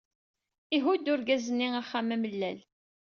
Ihudd urgaz-nni axxam amellal.